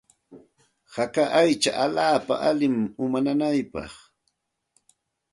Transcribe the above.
Haka aycha allaapa allinmi uma nanaypaq.